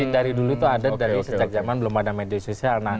dari dulu itu ada dari sejak zaman belum ada media sosial